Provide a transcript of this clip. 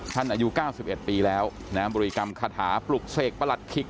ท่านอายุเก้าสิบเอ็ดปีแล้วนะครับบริกรรมคาถาปลุกเสกประหลัดขิก